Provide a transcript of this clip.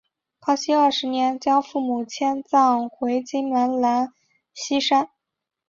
康熙二十七年将父母迁葬回金门兰厝山。